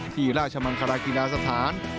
ที่ราชมันคารากินาสถาน